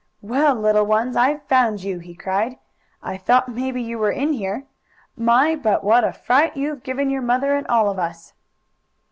"Well, little ones, I've found you!" he cried. "I thought maybe you were in here. My, but what a fright you've given your mother and all of us!"